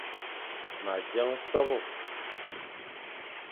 Ma dzeng sôbô.